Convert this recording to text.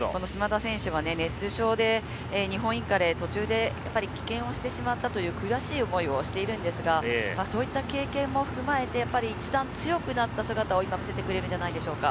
この嶋田選手は熱中症で日本インカレを途中で棄権をしてしまったという悔しい思いをしているんですが、そういった経験も踏まえて、一段強くなった選手を今見せてくれるんじゃないでしょうか？